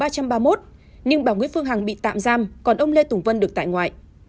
nhưng bà nguyễn phương hằng bị tạm giam còn ông lê tùng vân được tại ngoại